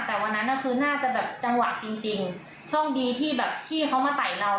แต่วันนั้นคือน่าจะแบบจังหวะจริงจริงโชคดีที่แบบที่เขามาใส่เรา